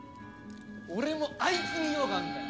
俺もあいつに用があんだよ！